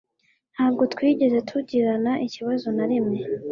Ntabwo twigeze tugirana ikibazo na kimwe